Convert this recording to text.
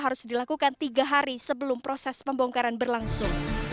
harus dilakukan tiga hari sebelum proses pembongkaran berlangsung